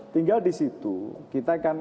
tinggal di situ kita akan